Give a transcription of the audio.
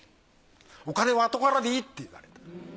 お金は後からでいいって言われて。